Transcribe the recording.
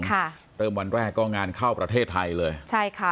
ค่ะเริ่มวันแรกก็งานเข้าประเทศไทยเลยใช่ค่ะ